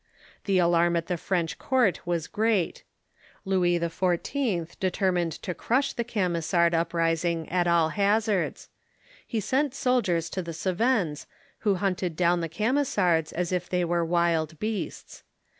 The alarm at the French court was great. Louis XIV. determined to crush the Camisard uprising at all hazards. He sent soldiers to the Cevennes, who hunted down the Camisards as if they were wild beasts.